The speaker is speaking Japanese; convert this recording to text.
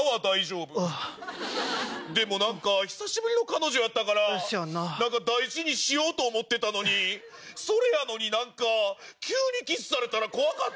でもなんか久しぶりの彼女やったからなんか大事にしようと思ってたのにそれやのになんか急にキスされたら怖かった！